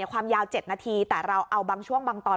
ความยาว๗นาทีแต่เราเอาบางช่วงบางตอน